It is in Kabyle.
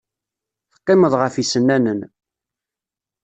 Teqqimeḍ ɣef yisennanen.